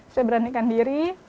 saya beranikan diri